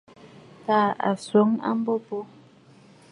Tàà a swoŋ a mbo bo.